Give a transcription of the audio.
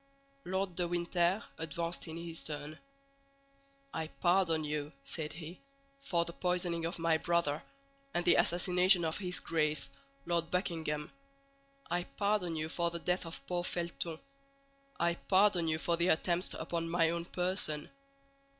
Lord de Winter advanced in his turn. "I pardon you," said he, "for the poisoning of my brother, and the assassination of his Grace, Lord Buckingham. I pardon you for the death of poor Felton; I pardon you for the attempts upon my own person.